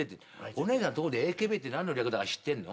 お姉さんところでＡＫＢって何の略だか知ってんの？